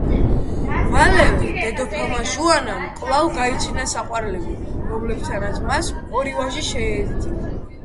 მალევე დედოფალმა ჟუანამ კვლავ გაიჩინა საყვარლები, რომლებთანაც მას ორი ვაჟი შეეძინა.